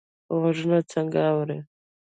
غوږونه څنګه اوري؟